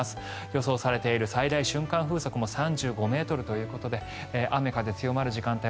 予想されている最大瞬間風速も３５ｍということで雨、風強まる時間帯